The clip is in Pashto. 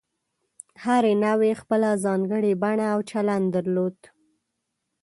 هرې نوعې خپله ځانګړې بڼه او چلند درلود.